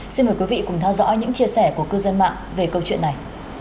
xin mời quý vị cùng theo dõi những chia sẻ của cư dân mạng về câu chuyện này